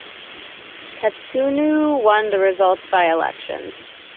Katuntu won the resulting by-election.